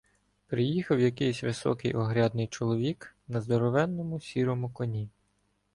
Приїхав якийсь високий огрядний чоловік на здоровенному сірому коні.